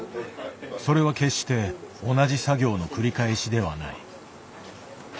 それは決して同じ作業の繰り返しではない。